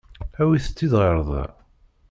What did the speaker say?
Awit-tt-id ɣer da.